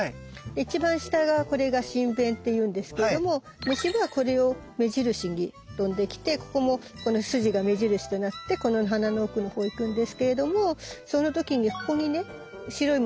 一番下がこれが唇弁っていうんですけれども虫はこれを目印に飛んできてここもこの筋が目印となってこの花の奥のほう行くんですけれどもその時にここにね白いものがちょっと見えるよね？